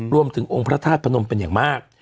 รวมที่องค์พระทิอดประนมเป็นอย่างมาก